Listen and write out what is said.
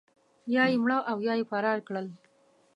یا یې مړه او یا یې فرار کړل.